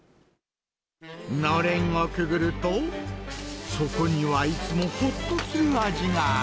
のれんをくぐると、そこにはいつもほっとする味がある。